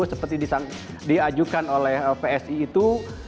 seperti diajukan oleh psi itu